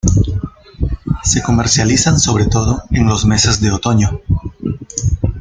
Se comercializan sobre todo en los meses de otoño.